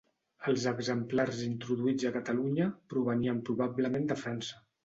Els exemplars introduïts a Catalunya provenien probablement de França.